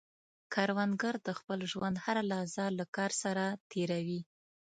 کروندګر د خپل ژوند هره لحظه له کار سره تېر وي